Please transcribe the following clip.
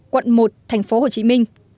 quận một tp hcm